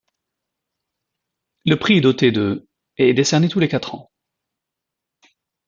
Le prix est doté de et est décerné tous les quatre ans.